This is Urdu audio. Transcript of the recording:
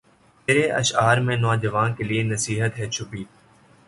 تیرے اشعار میں نوجواں کے لیے نصیحت ھے چھپی